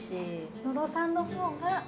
野呂さんのほうが。